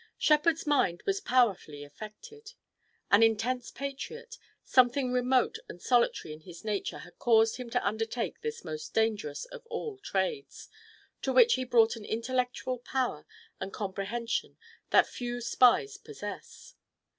Shepard's mind was powerfully affected. An intense patriot, something remote and solitary in his nature had caused him to undertake this most dangerous of all trades, to which he brought an intellectual power and comprehension that few spies possess.